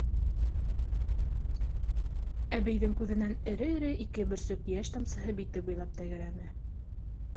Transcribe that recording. Әбейҙең күҙенән эре-эре ике бөрсөк йәш тамсыһы бите буйлап тәгәрәне.